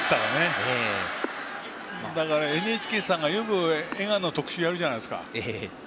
だからＮＨＫさんがよく江川の特集やるじゃないですか。